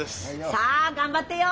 さあ頑張ってよ！